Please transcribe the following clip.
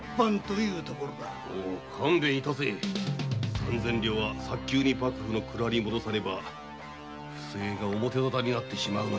三千両は早く幕府の蔵に戻さねば不正は表ざたになってしまうのだ。